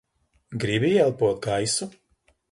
Gribi ieelpot gaisu?